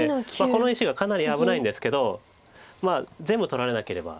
この石がかなり危ないんですけど全部取られなければ。